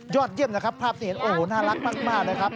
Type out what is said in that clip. ยอดเยี่ยมนะครับภาพนี้โอ้โหน่ารักมากนะครับ